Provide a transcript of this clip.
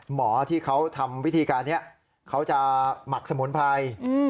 หมอที่เขาทำวิธีการนี้เขาจะหมักสมุนไพร